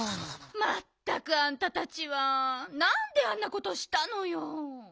まったくあんたたちはなんであんなことしたのよ。